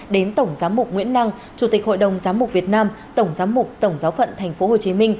đến tổng giám mục nguyễn năng chủ tịch hội đồng giám mục việt nam tổng giám mục tổng giáo phận tp hcm